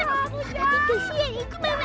aku aku gak apa apa